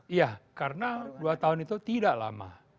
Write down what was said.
iya karena dua tahun itu tidak lama